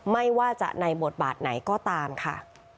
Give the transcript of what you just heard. ไม่ว่าจะในบทบาทไหนก็ตามค่ะ